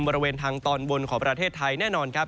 บริเวณทางตอนบนของประเทศไทยแน่นอนครับ